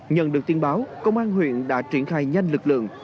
nhận được tin báo công an huyện đã triển khai nhanh lực lượng